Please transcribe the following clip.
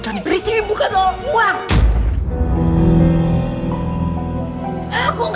jangan beri simpukan doang